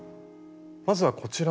まずはこちらの。